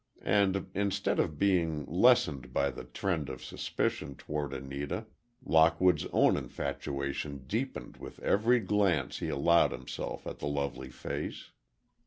And, instead of being lessened by the trend of suspicion toward Anita, Lockwood's own infatuation deepened with every glance he allowed himself at the lovely face.